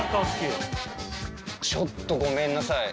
ちょっとごめんなさい